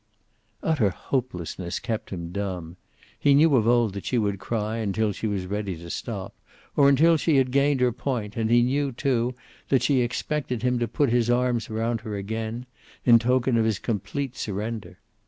Utter hopelessness kept him dumb. He knew of old that she would cry until she was ready to stop, or until she had gained her point. And he knew, too, that she expected him to put his arms around her again, in token of his complete surrender.